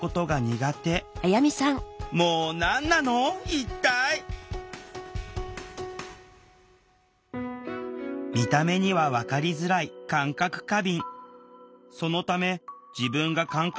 一体見た目には分かりづらい感覚過敏。